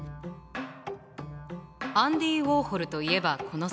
アンディ・ウォーホルといえばこの作品。